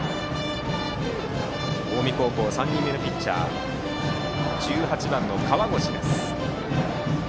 近江高校３人目のピッチャーは１８番の河越です。